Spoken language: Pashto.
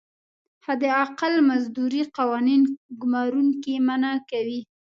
حداقل مزدوري قوانین ګمارونکي منعه کوي.